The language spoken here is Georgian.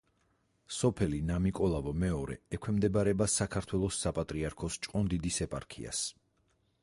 სოფელი ნამიკოლავო მეორე ექვემდებარება საქართველოს საპატრიარქოს ჭყონდიდის ეპარქიას.